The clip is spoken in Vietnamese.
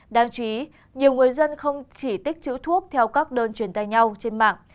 đáng chú ý nhiều người dân không chỉ tích chữ thuốc theo các đơn truyền tay nhau trên mạng